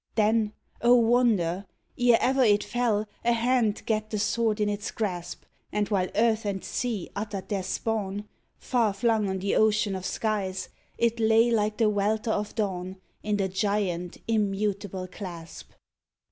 Then O wonder ! ere ever it fell, A hand gat the sword in its grasp, And while earth and sea uttered their spawn, Far flung on the ocean of skies, It lay like the welter of dawn In the giant immutable clasp.